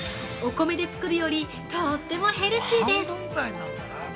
お米で作るよりとってもヘルシーです。